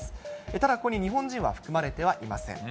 ただ、ここに日本人は含まれてはいません。